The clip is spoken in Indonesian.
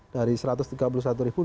dari satu ratus tiga puluh satu ribu